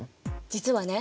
実はね